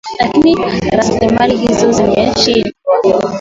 lakini raslimali hizi zimeshindwa